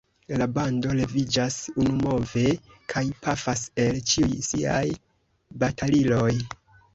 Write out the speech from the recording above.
La bando leviĝas unumove kaj pafas el ĉiuj siaj bataliloj.